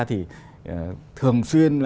thì thường xuyên